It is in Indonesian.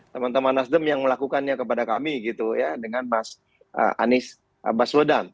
teman teman nasdem yang melakukannya kepada kami gitu ya dengan mas anies baswedan